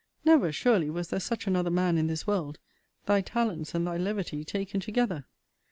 Never, surely, was there such another man in this world, thy talents and thy levity taken together!